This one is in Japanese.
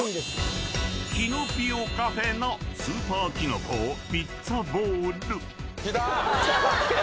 ［キノピオ・カフェのスーパーキノコ・ピッツァボウル］きた！